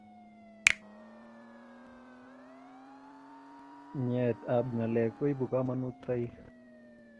Nyaet ab ngalek koibu kanunoitaik